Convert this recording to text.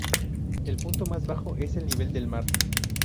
El punto más bajo es el nivel del mar.